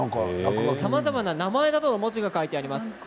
さまざまな名前や文字が書いてあります。